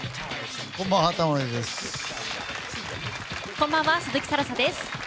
こんばんは、鈴木新彩です。